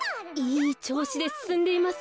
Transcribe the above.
いいちょうしですすんでいます。